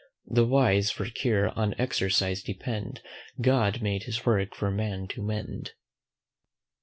The wise for cure on exercise depend; God never made his work for man to mend.